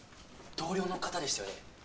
同僚の方でしたよね。